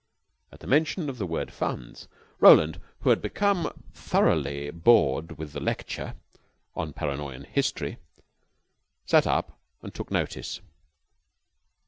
At the mention of the word "funds," Roland, who had become thoroughly bored with the lecture on Paranoyan history, sat up and took notice.